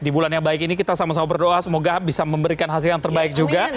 di bulan yang baik ini kita sama sama berdoa semoga bisa memberikan hasil yang terbaik juga